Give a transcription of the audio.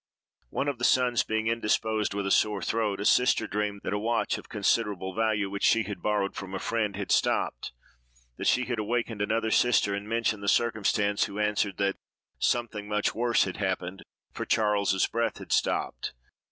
One of the sons being indisposed with a sore throat, a sister dreamed that a watch, of considerable value, which she had borrowed from a friend, had stopped; that she had awakened another sister and mentioned the circumstance, who answered that "something much worse had happened, for Charles's breath had stopped."